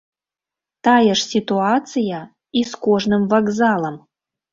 Тая ж сітуацыя і з кожным вакзалам.